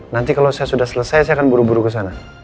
nanti kalau saya sudah selesai saya akan buru buru kesana